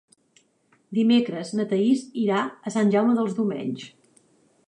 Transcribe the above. Dimecres na Thaís irà a Sant Jaume dels Domenys.